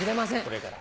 これから。